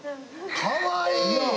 かわいい！